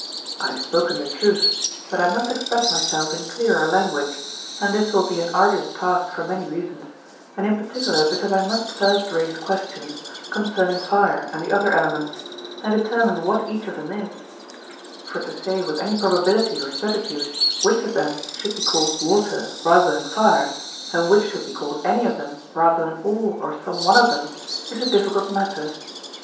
I have spoken the truth; but I must express myself in clearer language, and this will be an arduous task for many reasons, and in particular because I must first raise questions concerning fire and the other elements, and determine what each of them is; for to say, with any probability or certitude, which of them should be called water rather than fire, and which should be called any of them rather than all or some one of them, is a difficult matter.